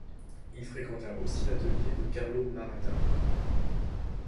Il fréquenta aussi l'atelier de Carlo Maratta.